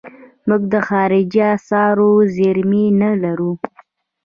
موږ د خارجي اسعارو زیرمې نه لرو.